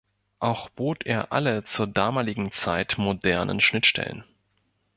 Auch bot er alle zur damaligen Zeit modernen Schnittstellen.